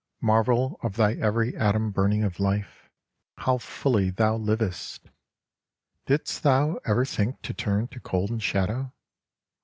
Marvel of thy every atom burning of life, How fully thou livest ! Didst thou ever think to turn to cold and shadow